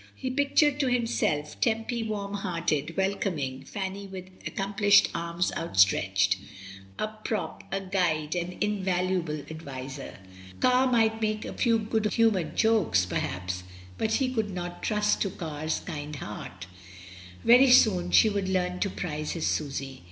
He pictured to himself Tempy warm hearted, welcoming, Fanny with ac complished arms outstretched — a prop, a guide, an SUSANNA AT HOME. ZlJ invaluable adviser. Car might make a few good humoured jokes, perhaps, but he could trust to Car's kind heart, very soon she would learn to prize his Susy.